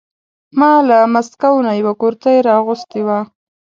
ما له مسکو نه یوه کرتۍ را اغوستې وه.